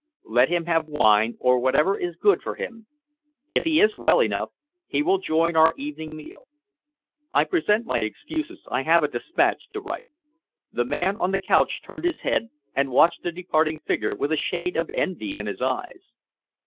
Let him have wine, or whatever is good for him. If he is well enough, he will join our evening meal. I present my excuses. I have a despatch to write." The man on the couch turned his head and watched the departing figure with a shade of envy in his eyes.